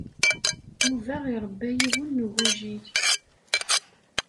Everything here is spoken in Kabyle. Yuba iṛebba yiwen n ugujil.